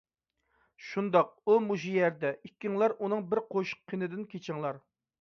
شۇنداق، ئۇ مۇشۇ يەردە. ئىككىڭلار ئۇنىڭ بىر قوشۇق قېنىدىن كېچىڭلار.